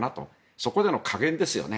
そこでの加減ですよね。